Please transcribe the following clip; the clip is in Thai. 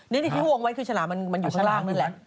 นี่ที่เขาวงไว้คือฉลามมันอยู่ข้างล่างนี่แหละ